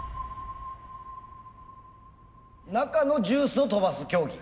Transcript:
中のジュースを飛ばす競技？